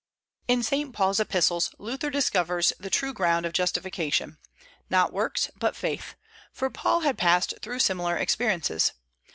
In Saint Paul's Epistles Luther discovers the true ground of justification, not works, but faith; for Paul had passed through similar experiences.